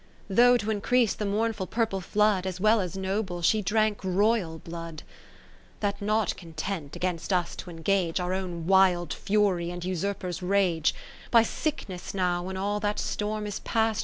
Though to increase the mournful purple flood. As well as noble, she drank Royal blood ; That not content, against us to engage Our own wild fury, and usurpers' rage ; By sickness now, when all that storm is past.